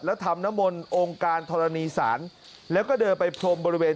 แล้วทำนมลองค์การธรณีศาลแล้วก็เดินไปพรมบริเวณ